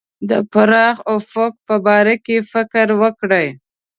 د پراخ افق په باره کې فکر وکړي.